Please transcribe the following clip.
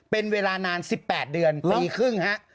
เป็นเวลานาน๑๘เดือนปีครึ่งฮะ